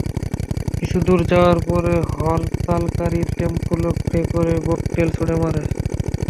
কিছু দূর যাওয়ার পরে হরতালকারীরা টেম্পো লক্ষ্য করে ককটেল ছুড়ে মারে।